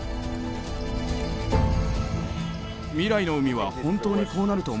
未来の海は本当にこうなると思いますか？